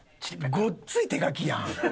ごっつい手書きやん。